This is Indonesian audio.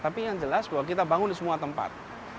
tapi yang jelas bahwa kita bangun di semua tempat